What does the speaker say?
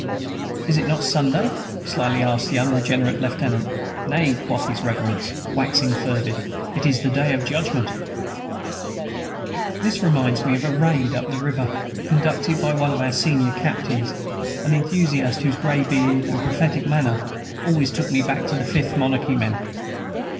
"Is it not Sunday?" slyly asked an unregenerate lieutenant. "Nay," quoth his Reverence, waxing fervid; "it is the Day of Judgment" This reminds me of a raid up the river, conducted by one of our senior captains, an enthusiast whose gray beard and prophetic manner always took me back to the Fifth Monarchy men.